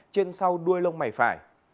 bên sau đuôi lông mảy phải